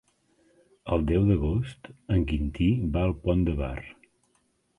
El deu d'agost en Quintí va al Pont de Bar.